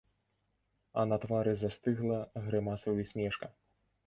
А на твары застыгла грымасай усмешка.